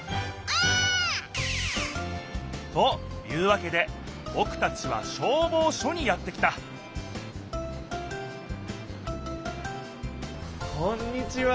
お！というわけでぼくたちは消防署にやって来たこんにちは！